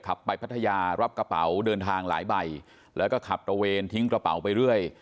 ขับไปพัทยารับกระเป๋าเดินทางหลายใบแล้วก็ขับตระเวนทิ้งกระเป๋าไปเรื่อย